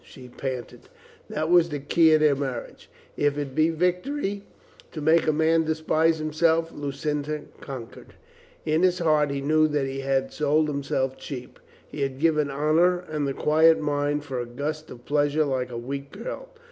she panted. That was the key of their marriage. If it be victory to make a man despise himself, Lucinda conquered. In his heart he knew that he had sold himself cheap. He had given honor and the quiet mind for a gust of pleasure like a weak girl.